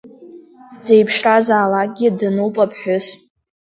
Дзеиԥшразаалакгьы, дануп аԥҳәыс.